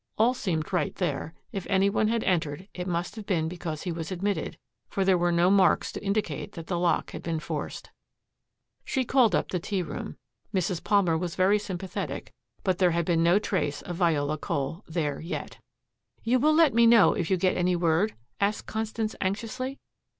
All seemed right there. If any one had entered, it must have been because he was admitted, for there were no marks to indicate that the lock had been forced. She called up the tea room. Mrs. Palmer was very sympathetic, but there had been no trace of "Viola Cole" there yet. "You will let me know if you get any word?" asked Constance anxiously.